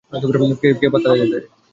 কে পাত্তা দেয়?